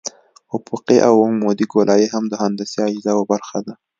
افقي او عمودي ګولایي هم د هندسي اجزاوو برخه ده